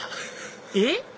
えっ？